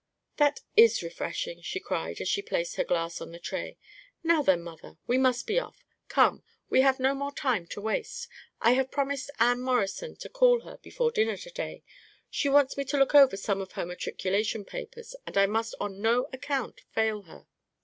"That is refreshing," she cried as she placed her glass on the tray. "Now, then, mother, we must be off. Come, we have no more time to waste. I have promised Anne Morrison to call on her before dinner to day; she wants me to look over some of her matriculation papers, and I must on no account fail her."